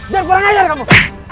jangan kurang ajar kamu